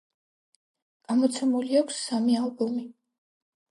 გამოცემული აქვს სამი ალბომი.